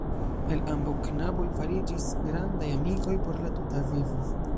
El ambaŭ knaboj fariĝis grandaj amikoj por la tuta vivo.